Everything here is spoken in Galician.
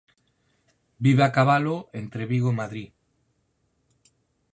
Vive a cabalo entre Vigo e Madrid.